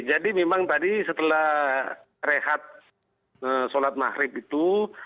jadi memang tadi setelah rehat solat mahrib itu